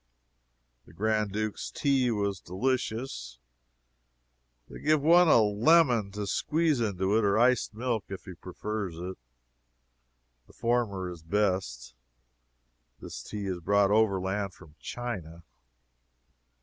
The Grand Duke's tea was delicious. They give one a lemon to squeeze into it, or iced milk, if he prefers it. The former is best. This tea is brought overland from China.